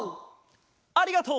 ありがとう！